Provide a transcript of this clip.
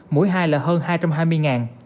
mũi hai là hơn hai trăm hai mươi